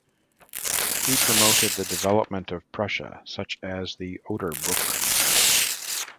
He promoted the development of Prussia such as the Oderbruch.